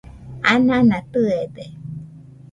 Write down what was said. anana tɨede